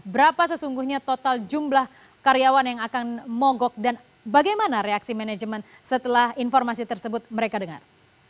berapa sesungguhnya total jumlah karyawan yang akan mogok dan bagaimana reaksi manajemen setelah informasi tersebut mereka dengar